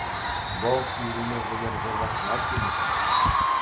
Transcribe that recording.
Вӑл ҫынсене вӗлерсе ваклать имӗш.